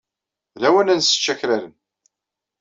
D lawan ad nessecc akraren.